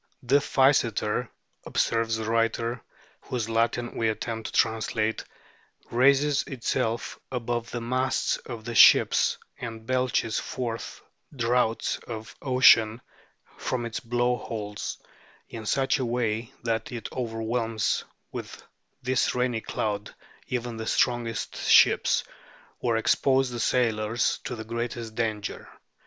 " The Physeter," observes this writer, whose Latin we attempt to translate, " raises itself above the masts of the ships and belches forth draughts of ocean from its blow holes in such a way that it overwhelms with this rainy cloud even the strongest ships, or exposes the sailors to the greatest danger."